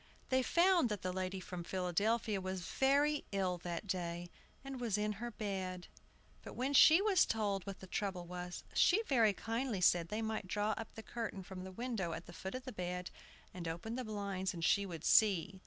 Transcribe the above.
They found that the lady from Philadelphia was very ill that day, and was in her bed. But when she was told what the trouble was, she very kindly said they might draw up the curtain from the window at the foot of the bed, and open the blinds, and she would see.